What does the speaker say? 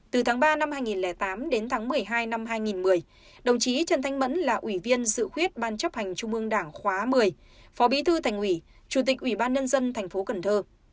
từ tháng ba năm hai nghìn tám đến tháng một mươi hai năm hai nghìn một mươi đồng chí trần thanh mẫn là ủy viên dự khuyết ban chấp hành trung ương đảng khóa một mươi phó bí thư thành ủy chủ tịch ủy ban nhân dân thành phố cần thơ